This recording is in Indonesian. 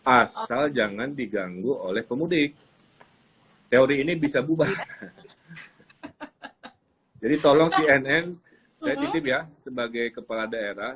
asal jangan diganggu oleh pemudik teori ini bisa bubakan jadi tolong cnn sebagai kepala daerah